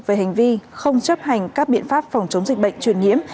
về hành vi không chấp hành các biện pháp phòng chống dịch bệnh truyền nhiễm